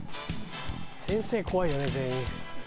先生怖いよね全員。